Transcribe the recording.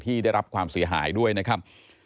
ได้รับความเสียหายด้วยนะครับ